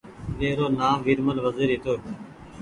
وي رو نآم ورمل وزير هيتو